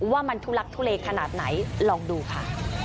ว่ามันทุลักทุเลขนาดไหนลองดูค่ะ